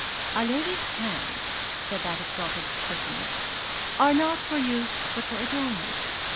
'A lady's hands,' said that exalted personage, 'are not for use, but for ornament.